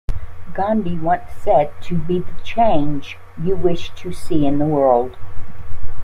Gandhi once said to be the change you wish to see in the world.